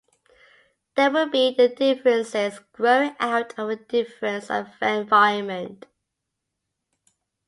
There will be the differences growing out of the difference of environment.